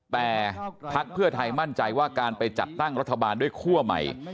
แต่พักเพื่อไทยมั่นใจว่าการไปจัดตั้งรัฐบาลด้วยคั่วใหม่